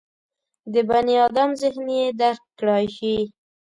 د بني ادم ذهن یې درک کړای شي.